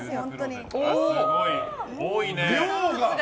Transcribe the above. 量が。